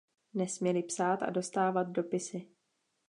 Nesměli psát a dostávat dopisy.